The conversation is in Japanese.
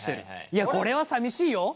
いやこれはさみしいよ？